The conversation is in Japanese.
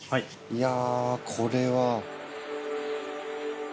いやぁこれは。